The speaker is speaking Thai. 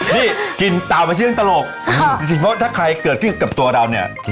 นี่กินเต่าไม่ใช่เรื่องตลกถ้าใครเกิดขึ้นกับตัวเราเนี่ย